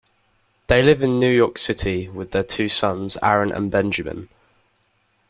They live in New York City with their two sons, Aaron and Benjamin.